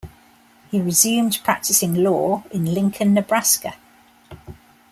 He resumed practicing law in Lincoln, Nebraska.